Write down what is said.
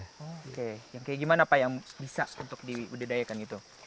oke yang kayak gimana pak yang bisa untuk dibudidayakan gitu